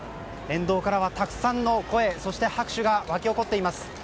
沿道からはたくさんの声拍手が巻き起こっています。